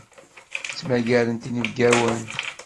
Ttmagarent inebgawen.